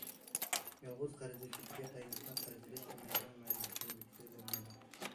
يالغۇز قەرز ھۆججىتىگە تايىنىپلا قەرز ئېلىش ئەمەلىيىتىنىڭ مەۋجۇتلۇقىنى بېكىتكىلى بولمايدۇ.